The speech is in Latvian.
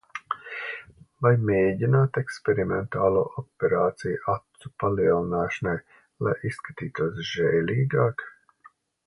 Vai mēģināt eksperimentālo operāciju acu palielināšanai, lai izskatītos žēlīgāk?